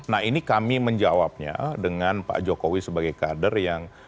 nah ini kami menjawabnya dengan pak jokowi sebagai kader yang